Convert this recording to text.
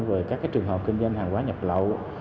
về các trường hợp kinh doanh hàng quái nhập lỏ